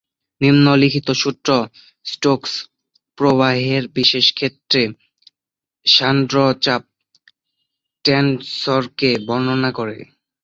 নিম্নলিখিত সূত্র স্টোকস-প্রবাহের বিশেষ ক্ষেত্রে সান্দ্র-চাপ-টেনসরকে বর্ণনা করে।